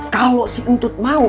kalau si untut mau